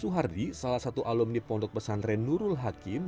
suhardi salah satu alumni pondok pesantren nurul hakim